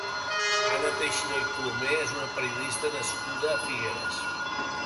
Anna Teixidor i Colomer és una periodista nascuda a Figueres.